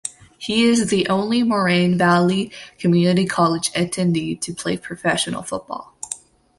He is the only Moraine Valley Community College attendee to play professional football.